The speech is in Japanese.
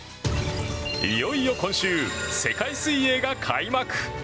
いよいよ今週世界水泳が開幕。